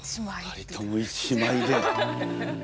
２人とも１枚で。